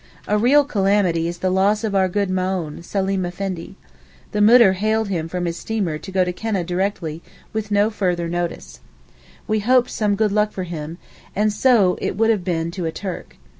A real calamity is the loss of our good Maōhn, Seleem Effendi. The Mudir hailed him from his steamer to go to Keneh directly, with no further notice. We hoped some good luck for him, and so it would have been to a Turk.